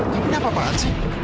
kau ini apa apaan sih